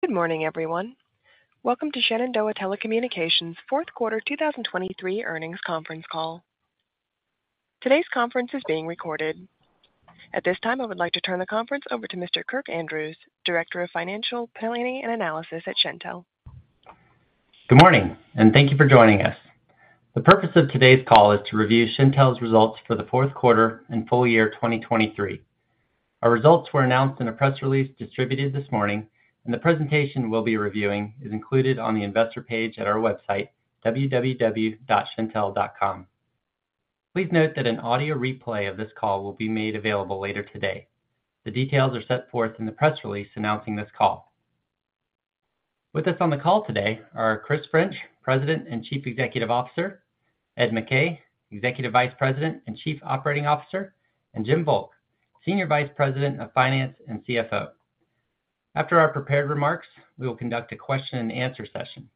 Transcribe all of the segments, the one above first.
Good morning, everyone. Welcome to Shenandoah Telecommunications' fourth quarter 2023 earnings conference call. Today's conference is being recorded. At this time, I would like to turn the conference over to Mr. Kirk Andrews, Director of Financial Planning and Analysis at Shentel. Good morning, and thank you for joining us. The purpose of today's call is to review Shentel's results for the fourth quarter and full year 2023. Our results were announced in a press release distributed this morning, and the presentation we'll be reviewing is included on the investor page at our website, www.shentel.com. Please note that an audio replay of this call will be made available later today. The details are set forth in the press release announcing this call. With us on the call today are Chris French, President and Chief Executive Officer; Ed McKay, Executive Vice President and Chief Operating Officer; and Jim Volk, Senior Vice President of Finance and CFO. After our prepared remarks, we will conduct a question-and-answer session.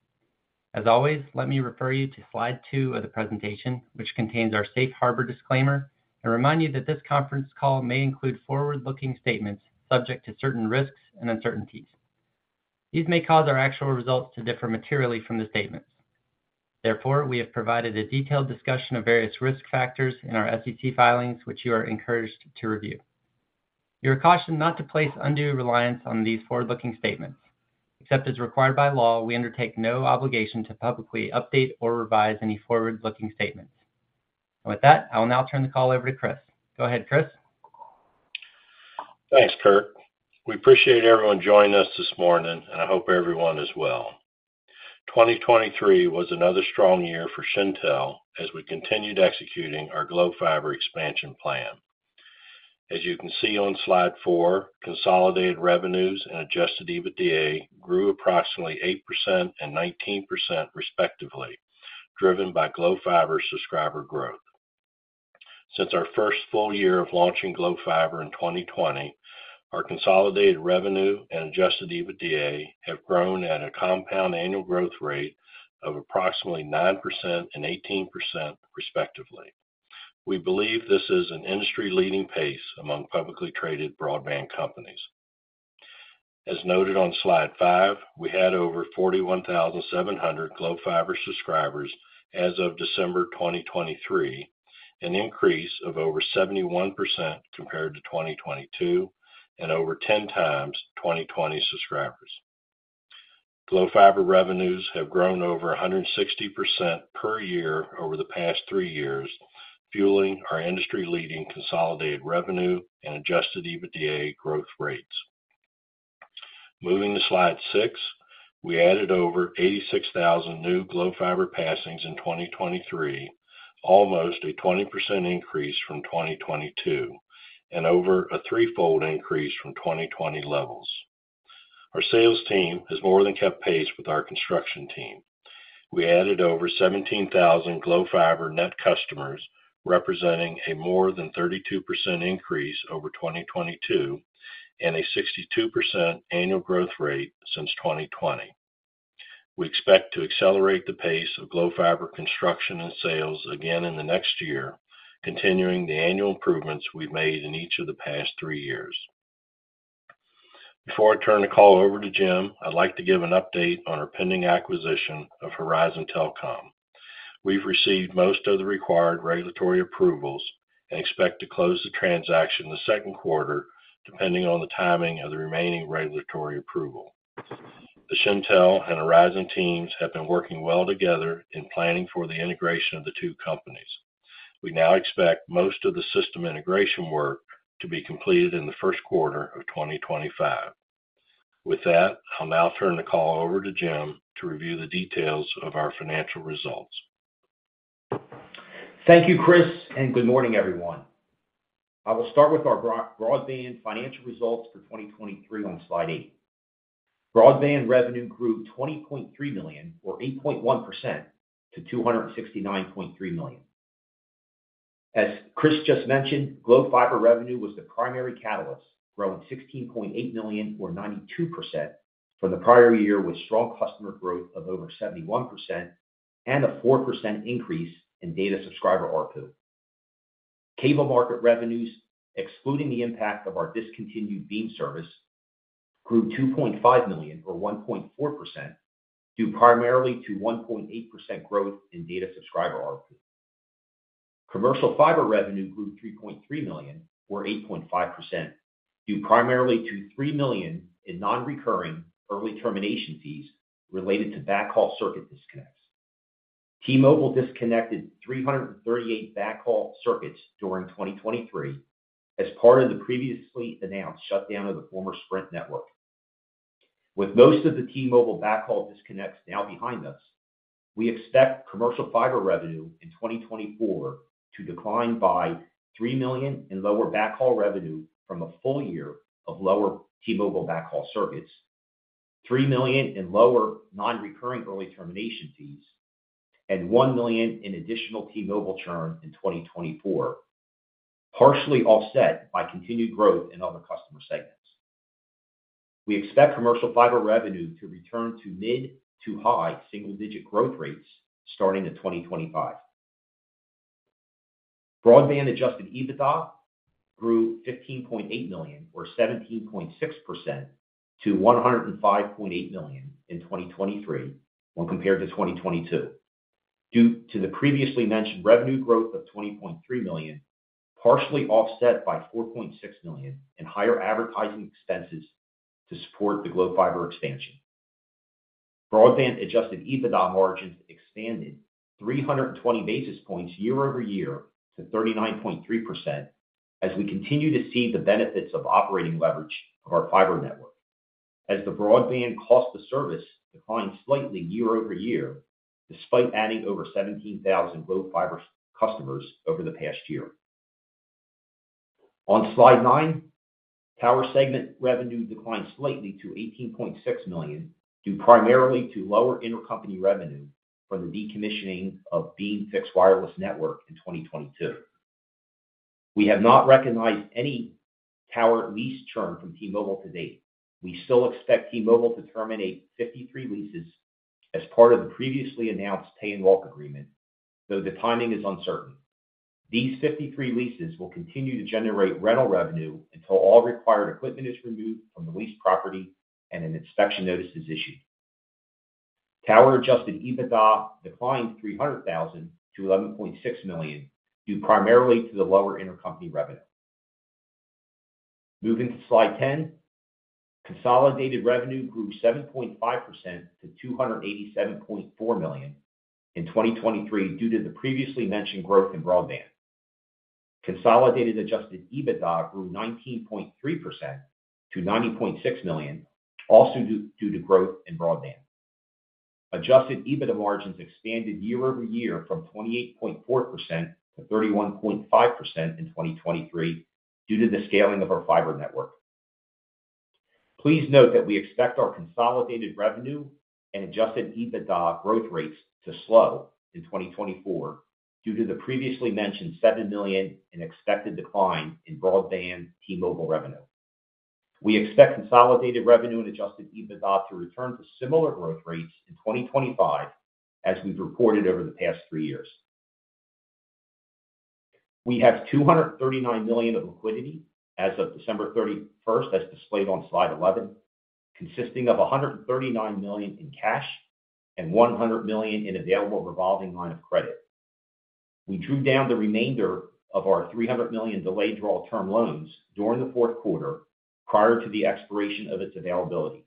As always, let me refer you to slide 2 of the presentation, which contains our safe harbor disclaimer, and remind you that this conference call may include forward-looking statements subject to certain risks and uncertainties. These may cause our actual results to differ materially from the statements. Therefore, we have provided a detailed discussion of various risk factors in our SEC filings, which you are encouraged to review. You're cautioned not to place undue reliance on these forward-looking statements. Except as required by law, we undertake no obligation to publicly update or revise any forward-looking statements. With that, I will now turn the call over to Chris. Go ahead, Chris. Thanks, Kirk. We appreciate everyone joining us this morning, and I hope everyone is well. 2023 was another strong year for Shentel as we continued executing our Glo Fiber expansion plan. As you can see on slide four, consolidated revenues and Adjusted EBITDA grew approximately 8% and 19% respectively, driven by Glo Fiber subscriber growth. Since our first full year of launching Glo Fiber in 2020, our consolidated revenue and Adjusted EBITDA have grown at a compound annual growth rate of approximately 9% and 18% respectively. We believe this is an industry-leading pace among publicly traded broadband companies. As noted on slide five, we had over 41,700 Glo Fiber subscribers as of December 2023, an increase of over 71% compared to 2022 and over 10 times 2020 subscribers. Glo Fiber revenues have grown over 160% per year over the past three years, fueling our industry-leading consolidated revenue and Adjusted EBITDA growth rates. Moving to slide six, we added over 86,000 new Glo Fiber passings in 2023, almost a 20% increase from 2022 and over a threefold increase from 2020 levels. Our sales team has more than kept pace with our construction team. We added over 17,000 Glo Fiber net customers, representing a more than 32% increase over 2022 and a 62% annual growth rate since 2020. We expect to accelerate the pace of Glo Fiber construction and sales again in the next year, continuing the annual improvements we've made in each of the past three years. Before I turn the call over to Jim, I'd like to give an update on our pending acquisition of Horizon Telcom. We've received most of the required regulatory approvals and expect to close the transaction the second quarter, depending on the timing of the remaining regulatory approval. The Shentel and Horizon Telcom teams have been working well together in planning for the integration of the two companies. We now expect most of the system integration work to be completed in the first quarter of 2025. With that, I'll now turn the call over to Jim to review the details of our financial results. Thank you, Chris, and good morning, everyone. I will start with our broadband financial results for 2023 on slide 8. Broadband revenue grew $20.3 million, or 8.1%, to $269.3 million. As Chris just mentioned, Glo Fiber revenue was the primary catalyst, growing $16.8 million, or 92%, from the prior year with strong customer growth of over 71% and a 4% increase in data subscriber RPU. Cable market revenues, excluding the impact of our discontinued Beam service, grew $2.5 million, or 1.4%, due primarily to 1.8% growth in data subscriber RPU. Commercial fiber revenue grew $3.3 million, or 8.5%, due primarily to $3 million in non-recurring early termination fees related to backhaul circuit disconnects. T-Mobile disconnected 338 backhaul circuits during 2023 as part of the previously announced shutdown of the former Sprint network. With most of the T-Mobile backhaul disconnects now behind us, we expect commercial fiber revenue in 2024 to decline by $3 million in lower backhaul revenue from a full year of lower T-Mobile backhaul circuits, $3 million in lower non-recurring early termination fees, and $1 million in additional T-Mobile churn in 2024, partially offset by continued growth in other customer segments. We expect commercial fiber revenue to return to mid to high single-digit growth rates starting in 2025. Broadband Adjusted EBITDA grew $15.8 million, or 17.6%, to $105.8 million in 2023 when compared to 2022, due to the previously mentioned revenue growth of $20.3 million, partially offset by $4.6 million, and higher advertising expenses to support the Glo Fiber expansion. Broadband adjusted EBITDA margins expanded 320 basis points year-over-year to 39.3% as we continue to see the benefits of operating leverage of our fiber network, as the broadband cost-to-service declined slightly year-over-year despite adding over 17,000 Glo Fiber customers over the past year. On slide 9, tower segment revenue declined slightly to $18.6 million due primarily to lower intercompany revenue from the decommissioning of Beam fixed wireless network in 2022. We have not recognized any tower lease churn from T-Mobile to date. We still expect T-Mobile to terminate 53 leases as part of the previously announced pay-and-walk agreement, though the timing is uncertain. These 53 leases will continue to generate rental revenue until all required equipment is removed from the leased property and an inspection notice is issued. Tower adjusted EBITDA declined $300,000 to $11.6 million due primarily to the lower intercompany revenue. Moving to slide 10, consolidated revenue grew 7.5% to $287.4 million in 2023 due to the previously mentioned growth in broadband. Consolidated adjusted EBITDA grew 19.3% to $90.6 million, also due to growth in broadband. Adjusted EBITDA margins expanded year-over-year from 28.4% to 31.5% in 2023 due to the scaling of our fiber network. Please note that we expect our consolidated revenue and adjusted EBITDA growth rates to slow in 2024 due to the previously mentioned $7 million in expected decline in broadband T-Mobile revenue. We expect consolidated revenue and adjusted EBITDA to return to similar growth rates in 2025 as we've reported over the past three years. We have $239 million of liquidity as of December 31st, as displayed on slide 11, consisting of $139 million in cash and $100 million in available revolving line of credit. We drew down the remainder of our $300 million delayed draw term loans during the fourth quarter prior to the expiration of its availability.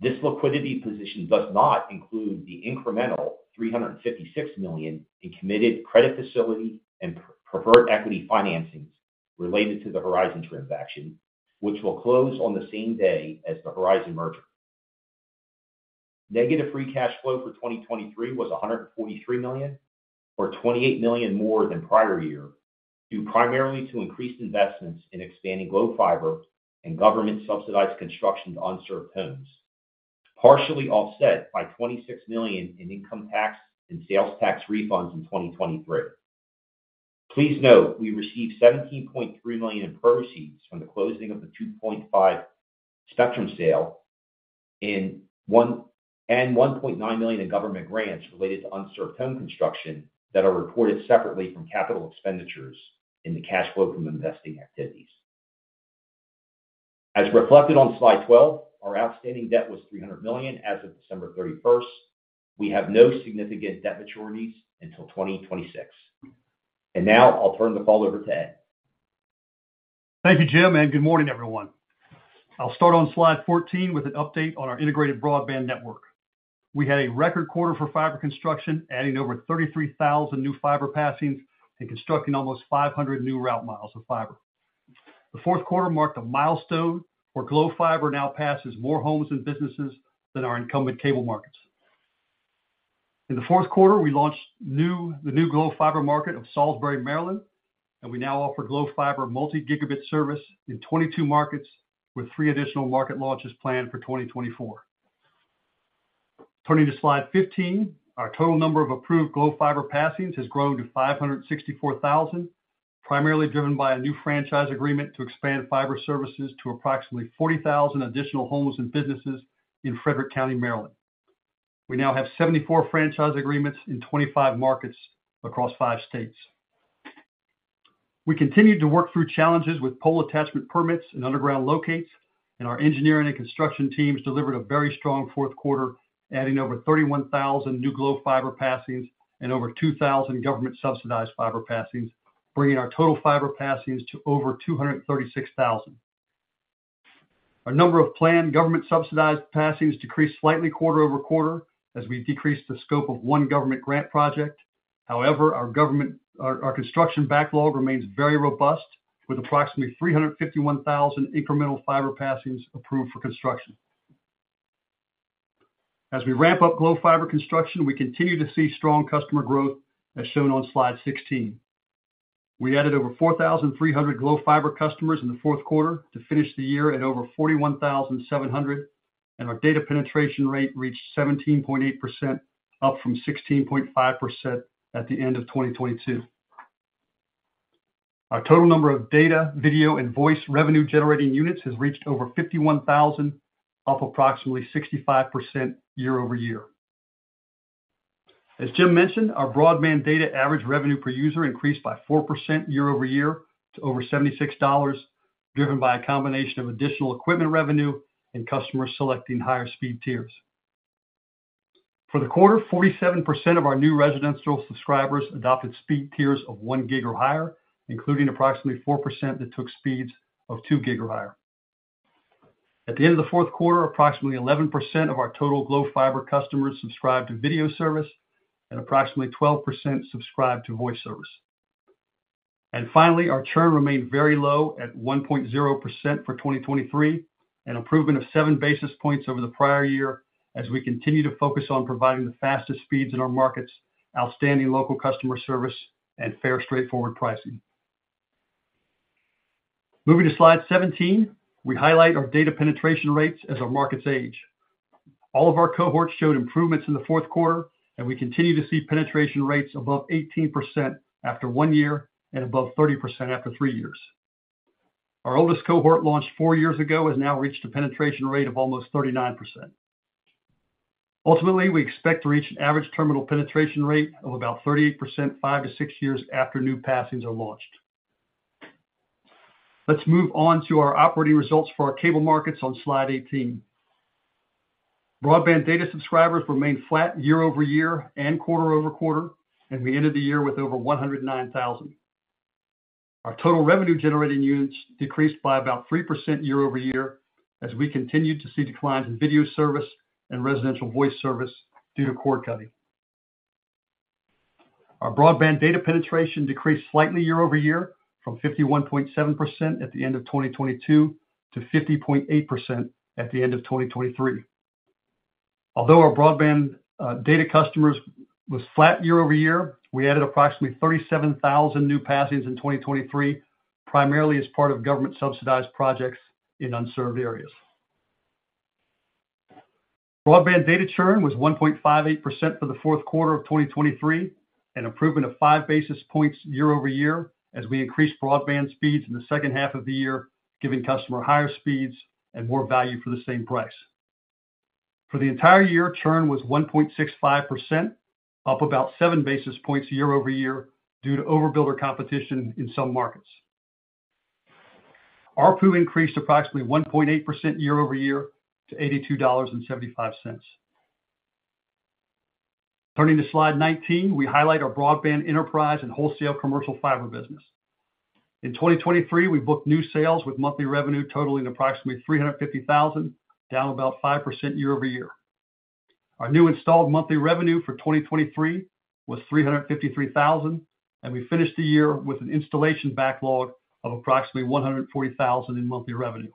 This liquidity position does not include the incremental $356 million in committed credit facility and preferred equity financings related to the Horizon transaction, which will close on the same day as the Horizon merger. Negative free cash flow for 2023 was $143 million, or $28 million more than prior year, due primarily to increased investments in expanding Glo Fiber and government-subsidized construction to unserved homes, partially offset by $26 million in income tax and sales tax refunds in 2023. Please note we received $17.3 million in proceeds from the closing of the 2.5 spectrum sale and $1.9 million in government grants related to unserved home construction that are reported separately from capital expenditures in the cash flow from investing activities. As reflected on slide 12, our outstanding debt was $300 million as of December 31st. We have no significant debt maturities until 2026. Now I'll turn the call over to Ed. Thank you, Jim, and good morning, everyone. I'll start on slide 14 with an update on our integrated broadband network. We had a record quarter for fiber construction, adding over 33,000 new fiber passings and constructing almost 500 new route miles of fiber. The fourth quarter marked a milestone where Glo Fiber now passes more homes and businesses than our incumbent cable markets. In the fourth quarter, we launched the new Glo Fiber market of Salisbury, Maryland, and we now offer Glo Fiber multi-gigabit service in 22 markets with three additional market launches planned for 2024. Turning to slide 15, our total number of approved Glo Fiber passings has grown to 564,000, primarily driven by a new franchise agreement to expand fiber services to approximately 40,000 additional homes and businesses in Frederick County, Maryland. We now have 74 franchise agreements in 25 markets across five states. We continued to work through challenges with pole attachment permits and underground locates, and our engineering and construction teams delivered a very strong fourth quarter, adding over 31,000 new Glo Fiber passings and over 2,000 government-subsidized fiber passings, bringing our total fiber passings to over 236,000. Our number of planned government-subsidized passings decreased slightly quarter-over-quarter as we decreased the scope of one government grant project. However, our construction backlog remains very robust, with approximately 351,000 incremental fiber passings approved for construction. As we ramp up Glo Fiber construction, we continue to see strong customer growth, as shown on slide 16. We added over 4,300 Glo Fiber customers in the fourth quarter to finish the year at over 41,700, and our data penetration rate reached 17.8%, up from 16.5% at the end of 2022. Our total number of data, video, and voice revenue-generating units has reached over 51,000, up approximately 65% year-over-year. As Jim mentioned, our broadband data average revenue per user increased by 4% year-over-year to over $76, driven by a combination of additional equipment revenue and customers selecting higher speed tiers. For the quarter, 47% of our new residential subscribers adopted speed tiers of 1 gig or higher, including approximately 4% that took speeds of 2 gig or higher. At the end of the fourth quarter, approximately 11% of our total Glo Fiber customers subscribed to video service, and approximately 12% subscribed to voice service. Finally, our churn remained very low at 1.0% for 2023, an improvement of 7 basis points over the prior year, as we continue to focus on providing the fastest speeds in our markets, outstanding local customer service, and fair, straightforward pricing. Moving to slide 17, we highlight our data penetration rates as our markets age. All of our cohorts showed improvements in the fourth quarter, and we continue to see penetration rates above 18% after 1 year and above 30% after 3 years. Our oldest cohort launched 4 years ago has now reached a penetration rate of almost 39%. Ultimately, we expect to reach an average terminal penetration rate of about 38% 5-6 years after new passings are launched. Let's move on to our operating results for our cable markets on slide 18. Broadband data subscribers remained flat year-over-year and quarter-over-quarter, and we ended the year with over 109,000. Our total revenue-generating units decreased by about 3% year-over-year as we continued to see declines in video service and residential voice service due to cord cutting. Our broadband data penetration decreased slightly year-over-year from 51.7% at the end of 2022 to 50.8% at the end of 2023. Although our broadband data customers were flat year-over-year, we added approximately 37,000 new passings in 2023, primarily as part of government-subsidized projects in unserved areas. Broadband data churn was 1.58% for the fourth quarter of 2023, an improvement of 5 basis points year-over-year as we increased broadband speeds in the second half of the year, giving customers higher speeds and more value for the same price. For the entire year, churn was 1.65%, up about 7 basis points year-over-year due to overbuilder competition in some markets. RPO increased approximately 1.8% year-over-year to $82.75. Turning to slide 19, we highlight our broadband enterprise and wholesale commercial fiber business. In 2023, we booked new sales with monthly revenue totaling approximately $350,000, down about 5% year-over-year. Our new installed monthly revenue for 2023 was $353,000, and we finished the year with an installation backlog of approximately $140,000 in monthly revenue.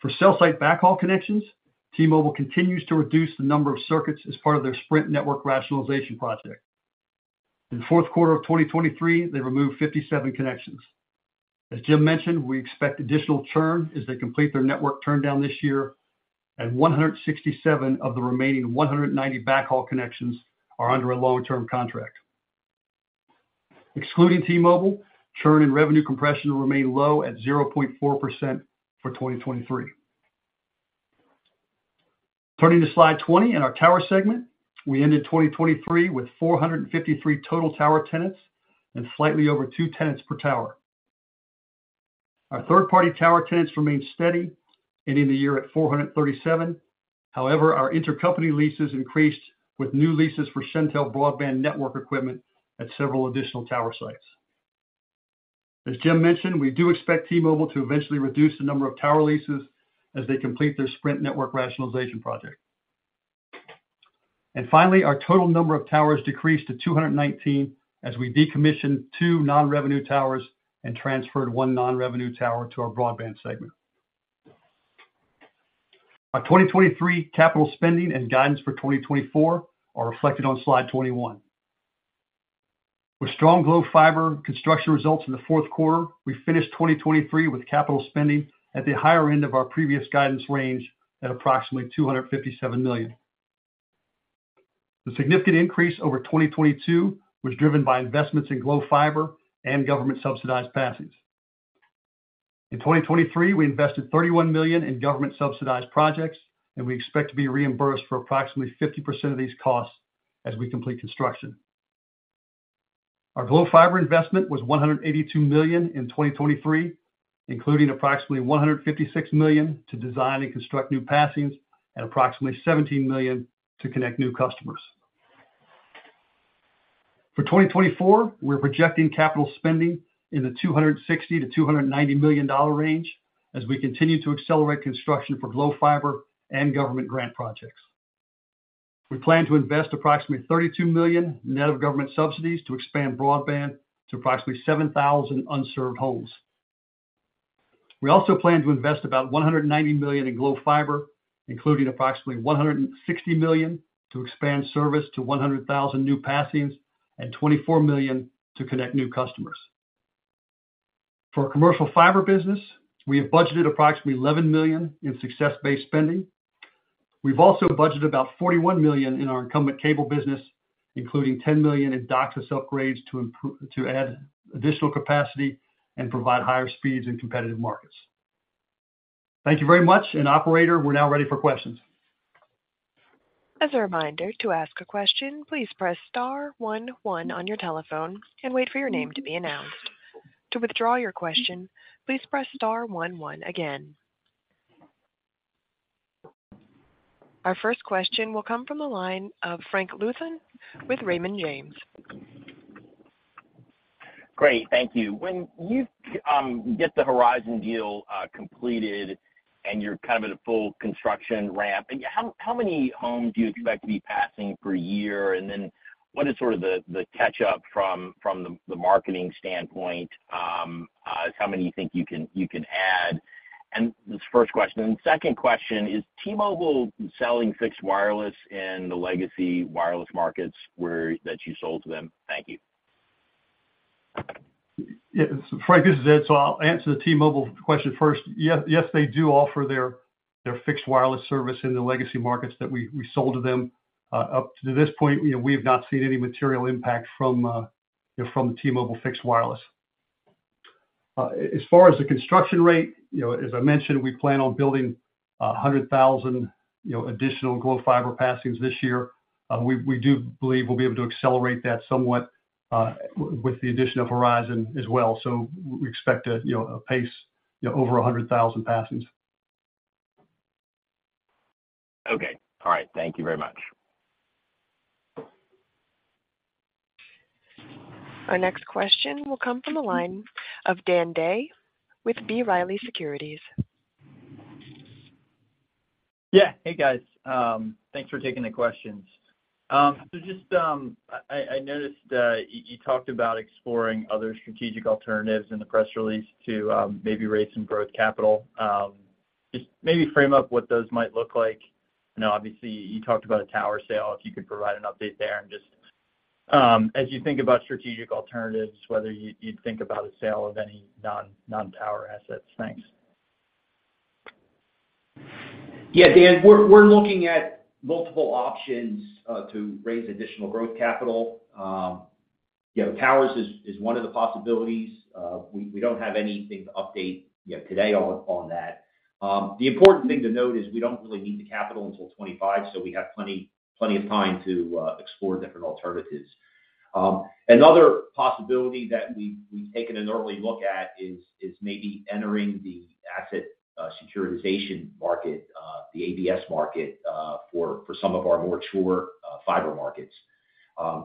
For cell site backhaul connections, T-Mobile continues to reduce the number of circuits as part of their Sprint network rationalization project. In the fourth quarter of 2023, they removed 57 connections. As Jim mentioned, we expect additional churn as they complete their network turndown this year, and 167 of the remaining 190 backhaul connections are under a long-term contract. Excluding T-Mobile, churn and revenue compression remain low at 0.4% for 2023. Turning to slide 20 in our tower segment, we ended 2023 with 453 total tower tenants and slightly over 2 tenants per tower. Our third-party tower tenants remained steady, ending the year at 437. However, our intercompany leases increased with new leases for Shentel broadband network equipment at several additional tower sites. As Jim mentioned, we do expect T-Mobile to eventually reduce the number of tower leases as they complete their Sprint network rationalization project. And finally, our total number of towers decreased to 219 as we decommissioned two non-revenue towers and transferred one non-revenue tower to our broadband segment. Our 2023 capital spending and guidance for 2024 are reflected on slide 21. With strong Glo Fiber construction results in the fourth quarter, we finished 2023 with capital spending at the higher end of our previous guidance range at approximately $257 million. The significant increase over 2022 was driven by investments in Glo Fiber and government-subsidized passings. In 2023, we invested $31 million in government-subsidized projects, and we expect to be reimbursed for approximately 50% of these costs as we complete construction. Our Glo Fiber investment was $182 million in 2023, including approximately $156 million to design and construct new passings and approximately $17 million to connect new customers. For 2024, we're projecting capital spending in the $260-$290 million range as we continue to accelerate construction for Glo Fiber and government grant projects. We plan to invest approximately $32 million net of government subsidies to expand broadband to approximately 7,000 unserved homes. We also plan to invest about $190 million in Glo Fiber, including approximately $160 million to expand service to 100,000 new passings and $24 million to connect new customers. For our commercial fiber business, we have budgeted approximately $11 million in success-based spending. We've also budgeted about $41 million in our incumbent cable business, including $10 million in DOCSIS upgrades to add additional capacity and provide higher speeds in competitive markets. Thank you very much. Operator, we're now ready for questions. As a reminder, to ask a question, please press star 11 on your telephone and wait for your name to be announced. To withdraw your question, please press star 11 again. Our first question will come from the line of Frank Louthan with Raymond James. Great. Thank you. When you get the Horizon deal completed and you're kind of at a full construction ramp, how many homes do you expect to be passing per year? And then what is sort of the catch-up from the marketing standpoint? How many do you think you can add? And this is the first question. And the second question is, T-Mobile selling fixed wireless in the legacy wireless markets that you sold to them? Thank you. Yeah. Frank, this is Ed. So I'll answer the T-Mobile question first. Yes, they do offer their fixed wireless service in the legacy markets that we sold to them. Up to this point, we have not seen any material impact from the T-Mobile fixed wireless. As far as the construction rate, as I mentioned, we plan on building 100,000 additional Glo Fiber passings this year. We do believe we'll be able to accelerate that somewhat with the addition of Horizon as well. So we expect a pace over 100,000 passings. Okay. All right. Thank you very much. Our next question will come from the line of Dan Day with B. Riley Securities. Yeah. Hey, guys. Thanks for taking the questions. So I noticed you talked about exploring other strategic alternatives in the press release to maybe raise some growth capital. Just maybe frame up what those might look like? Obviously, you talked about a tower sale. If you could provide an update there, and just as you think about strategic alternatives, whether you'd think about a sale of any non-tower assets? Thanks. Yeah, Dan. We're looking at multiple options to raise additional growth capital. Towers is one of the possibilities. We don't have anything to update today on that. The important thing to note is we don't really need the capital until 2025, so we have plenty of time to explore different alternatives. Another possibility that we've taken an early look at is maybe entering the asset-backed securitization market, the ABS market, for some of our more mature fiber markets.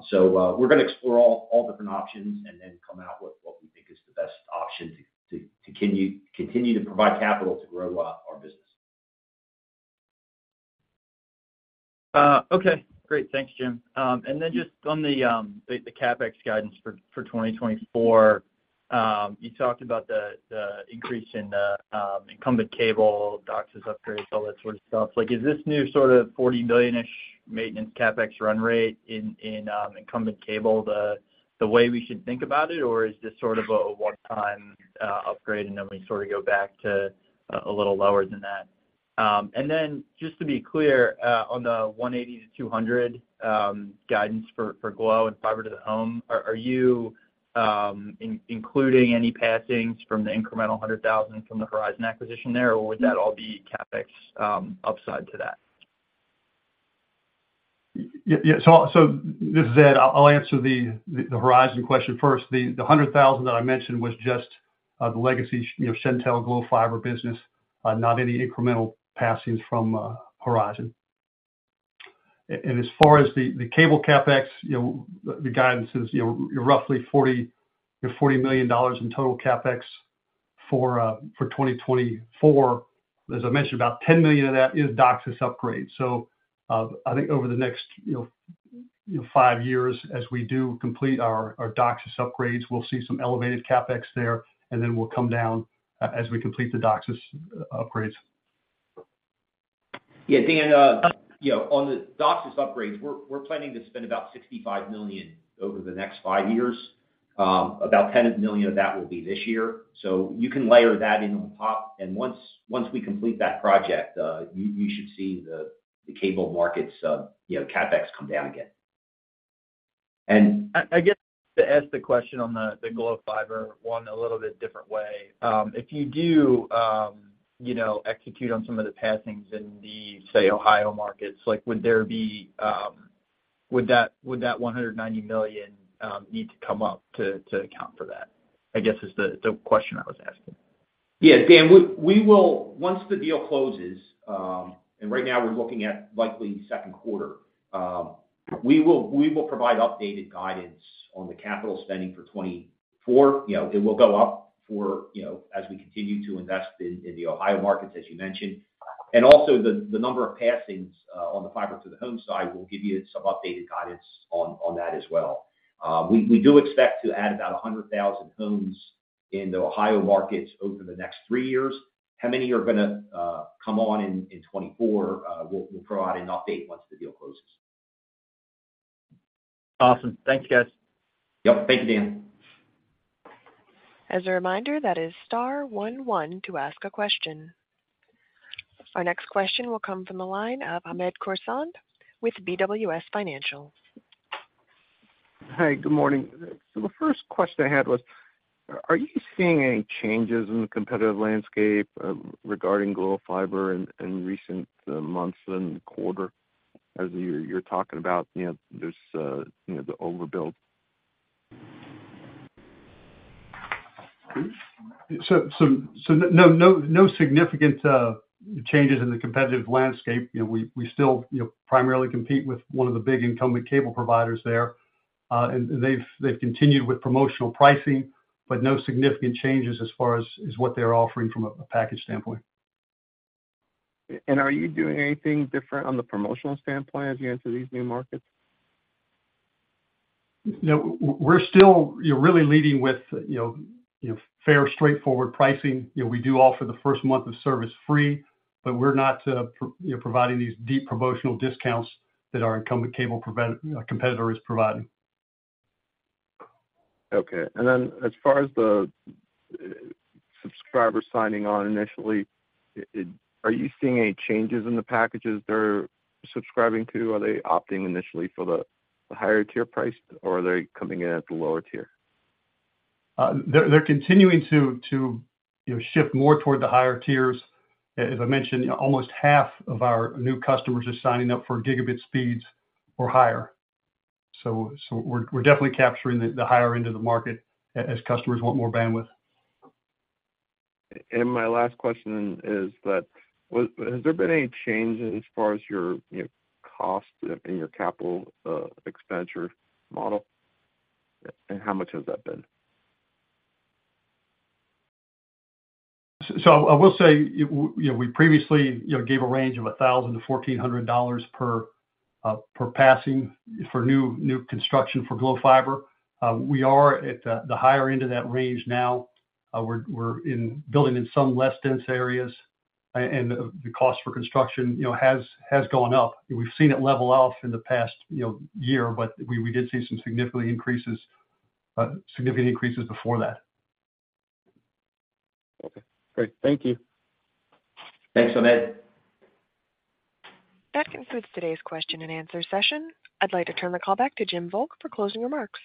So we're going to explore all different options and then come out with what we think is the best option to continue to provide capital to grow our business. Okay. Great. Thanks, Jim. And then just on the CapEx guidance for 2024, you talked about the increase in incumbent cable, DOCSIS upgrades, all that sort of stuff. Is this new sort of $40 million-ish maintenance CapEx run rate in incumbent cable the way we should think about it, or is this sort of a one-time upgrade and then we sort of go back to a little lower than that? And then just to be clear, on the $180 million-$200 million guidance for Glo Fiber to the home, are you including any passings from the incremental 100,000 from the Horizon acquisition there, or would that all be CapEx upside to that? Yeah. So this is Ed. I'll answer the Horizon question first. The 100,000 that I mentioned was just the legacy Shentel Glo Fiber business, not any incremental passings from Horizon. And as far as the cable CapEx, the guidance is roughly $40 million in total CapEx for 2024. As I mentioned, about $10 million of that is DOCSIS upgrades. So I think over the next five years, as we do complete our DOCSIS upgrades, we'll see some elevated CapEx there, and then we'll come down as we complete the DOCSIS upgrades. Yeah, Da n. On the DOCSIS upgrades, we're planning to spend about $65 million over the next 5 years. About $10 million of that will be this year. So you can layer that in on top. And once we complete that project, you should see the cable market's CapEx come down again. And. I guess to ask the question on the Glo Fiber one a little bit different way. If you do execute on some of the passings in the, say, Ohio markets, would there be that $190 million need to come up to account for that? I guess is the question I was asking. Yeah. Dan, once the deal closes, and right now we're looking at likely second quarter. We will provide updated guidance on the capital spending for 2024. It will go up as we continue to invest in the Ohio markets, as you mentioned. And also, the number of passings on the Fiber to the Home side will give you some updated guidance on that as well. We do expect to add about 100,000 homes in the Ohio markets over the next three years. How many are going to come on in 2024, we'll provide an update once the deal closes. Awesome. Thanks, guys. Yep. Thank you, Dan. As a reminder, that is star 11 to ask a question. Our next question will come from the line of Hamed Khorsand with BWS Financial. Hi. Good morning. So the first question I had was, are you seeing any changes in the competitive landscape regarding Glo Fiber in recent months and quarter? As you're talking about, there's the overbuild. No significant changes in the competitive landscape. We still primarily compete with one of the big incumbent cable providers there. They've continued with promotional pricing, but no significant changes as far as what they're offering from a package standpoint. Are you doing anything different on the promotional standpoint as you enter these new markets? No. We're still really leading with fair, straightforward pricing. We do offer the first month of service free, but we're not providing these deep promotional discounts that our incumbent cable competitor is providing. Okay. And then as far as the subscriber signing on initially, are you seeing any changes in the packages they're subscribing to? Are they opting initially for the higher-tier price, or are they coming in at the lower tier? They're continuing to shift more toward the higher tiers. As I mentioned, almost half of our new customers are signing up for gigabit speeds or higher. So we're definitely capturing the higher end of the market as customers want more bandwidth. My last question is that, has there been any change as far as your cost and your capital expenditure model? How much has that been? I will say we previously gave a range of $1,000-$1,400 per passing for new construction for Glo Fiber. We are at the higher end of that range now. We're building in some less dense areas, and the cost for construction has gone up. We've seen it level off in the past year, but we did see some significant increases before that. Okay. Great. Thank you. Thanks, Hamed. That concludes today's question and answer session. I'd like to turn the call back to Jim Volk for closing remarks.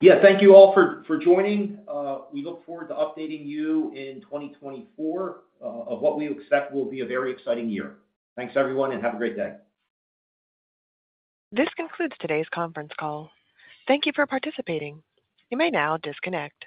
Yeah. Thank you all for joining. We look forward to updating you in 2024. Of what we expect will be a very exciting year. Thanks, everyone, and have a great day. This concludes today's conference call. Thank you for participating. You may now disconnect.